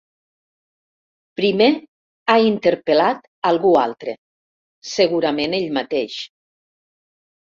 Primer ha interpel·lat algú altre, segurament ell mateix.